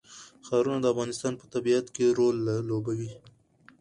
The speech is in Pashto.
ښارونه د افغانستان په طبیعت کې رول لوبوي.